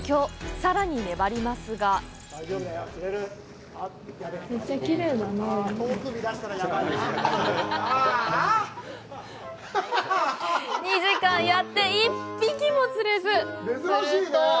さらにねばりますが２時間やって一匹も釣れず。